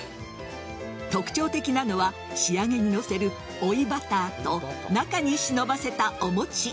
特徴的なのは仕上げに載せる追いバターと中に忍ばせた、お餅。